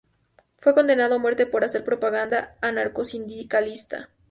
Fue condenado a muerte por hacer propaganda anarcosindicalista.